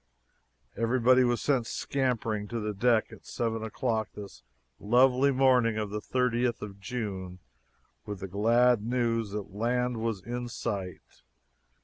Everybody was sent scampering to the deck at seven o'clock this lovely morning of the thirtieth of June with the glad news that land was in sight!